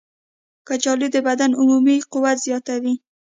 کچالو د بدن عمومي قوت زیاتوي.